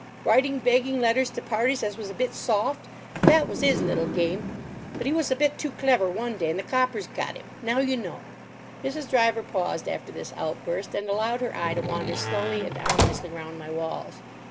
Writing begging letters to parties as was a bit soft, that wos 'is little gime. But 'e wos a bit too clever one day, and the coppers got 'im. Now you know!" Mrs. Driver paused after this outburst, and allowed her eye to wander slowly and ominously round my walls.